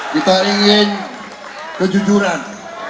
kita ingin kejujuran